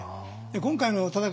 今回の戦い